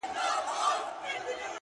o د ژوندانه كارونه پاته رانه ـ